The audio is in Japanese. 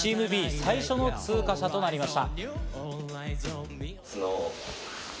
最初の通過者となりました。